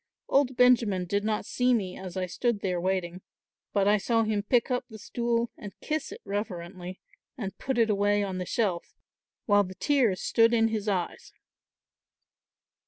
Old Benjamin did not see me, as I stood there waiting, but I saw him pick up the stool and kiss it reverently and put it away on the shelf, while the tears stood in his eyes."